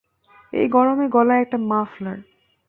এই গরমে গলায় একটা মাফলার।